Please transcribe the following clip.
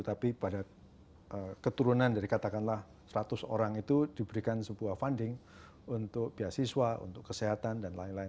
tapi pada keturunan dari katakanlah seratus orang itu diberikan sebuah funding untuk beasiswa untuk kesehatan dan lain lain